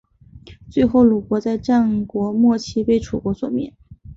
最后鲁国在战国末期被楚国所灭。